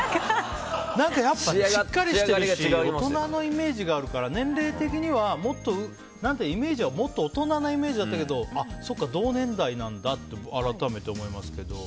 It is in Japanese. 何かやっぱりしっかりしているし大人のイメージがあるから年齢的には、イメージはもっと大人なイメージだったけどそっか、同年代なんだって改めて思いますけど。